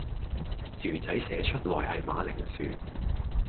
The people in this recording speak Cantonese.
薯仔寫出來係馬鈴薯